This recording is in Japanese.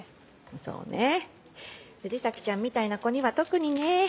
そうね藤崎ちゃんみたいな子には特にね。